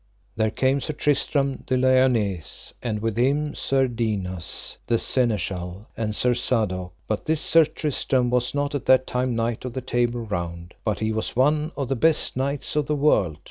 There came Sir Tristram de Liones, and with him Sir Dinas, the Seneschal, and Sir Sadok; but this Sir Tristram was not at that time knight of the Table Round, but he was one of the best knights of the world.